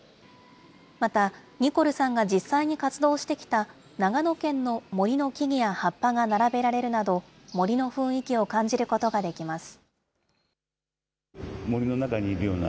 また、ニコルさんが実際に活動してきた長野県の森の木々や葉っぱが並べられるなど、森の雰囲気を感じることができます。